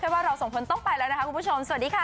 ว่าเราสองคนต้องไปแล้วนะคะคุณผู้ชมสวัสดีค่ะ